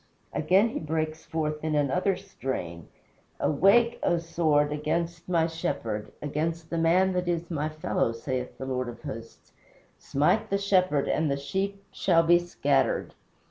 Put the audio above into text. Again he breaks forth in another strain: "Awake, O sword, against my Shepherd, Against the man that is my fellow, saith the Lord of Hosts. Smite the Shepherd, And the sheep shall be scattered."